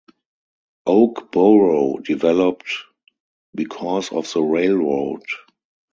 Oakboro developed because of the railroad.